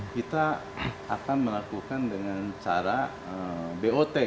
kita akan melakukan dengan cara bot